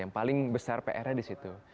yang paling besar pr nya disitu